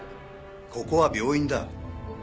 ここは病院だ。